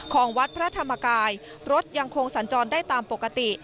ของวัดพระธรรมกายรถยังคงสัญจรได้ตามปกติ